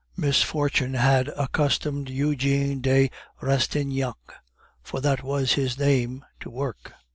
Misfortune had accustomed Eugene de Rastignac, for that was his name, to work.